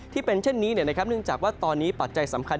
ที่เป็นเช่นนี้เนื่องจากว่าตอนนี้ปัจจัยสำคัญ